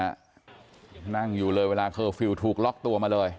นั่งอยู่เลยเวลาเคอร์ฟิลล์ถูกล็อกตัวมาเลย